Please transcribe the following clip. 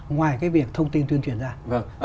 ngoài cái việc thông tin tuyên truyền ra